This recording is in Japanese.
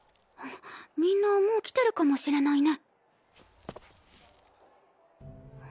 みんなもう来てるかもしれないね。